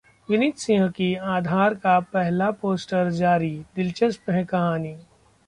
विनीत सिंह की 'आधार' का पहला पोस्टर जारी, दिलचस्प है कहानी